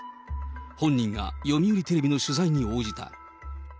本人が読売テレビの取材に応じた。